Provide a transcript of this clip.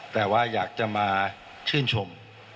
แต่ว่าอยากจะมาชื่นชม